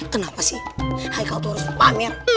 kenapa sih haikal tuh harus dipamer